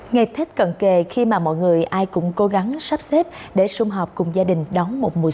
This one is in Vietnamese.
ngày tết cận kề khi mà mọi người ai cũng cố gắng sắp xếp để sung hợp cùng gia đình đóng một mùa